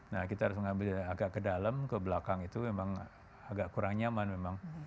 nah kita harus mengambil agak ke dalam ke belakang itu memang agak kurang nyaman memang